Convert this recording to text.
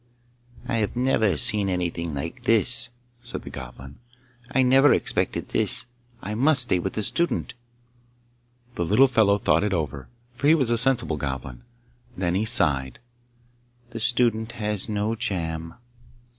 'I have never seen anything like this!' said the Goblin. 'I never expected this! I must stay with the student.' The little fellow thought it over, for he was a sensible Goblin. Then he sighed, 'The student has no jam!